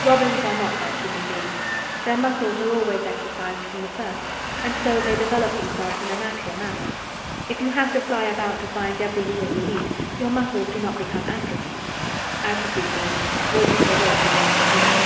Robins are not like human beings; their muscles are always exercised from the first and so they develop themselves in a natural manner. If you have to fly about to find every meal you eat, your muscles do not become atrophied (atrophied means wasted away through want of use).